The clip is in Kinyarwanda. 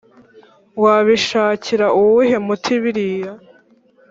wabishakira uwuhe muti biriya